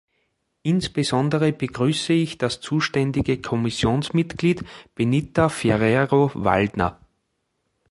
Insbesondere begrüße ich das zuständige Kommissionsmitglied, Benita Ferrero-Waldner.